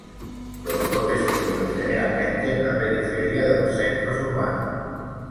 Los brotes ocurren generalmente en la periferia de los centros urbanos.